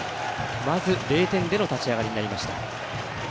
まず、０点での立ち上がりになりました。